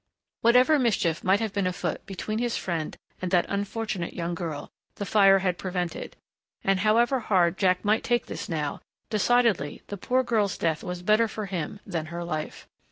Whatever mischief might have been afoot between his friend and that unfortunate young girl the fire had prevented. And however hard Jack might take this now, decidedly the poor girl's death was better for him than her life.